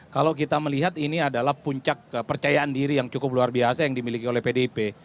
kalau kita melihat ini adalah puncak kepercayaan diri yang cukup luar biasa yang dimiliki oleh pdip